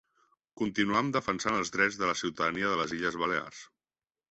Continuam defensant els drets de la ciutadania de les Illes Balears.